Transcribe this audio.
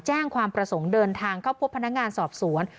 แจ้งความประสงค์เดินทางเข้าพบพนักงานสอบสวน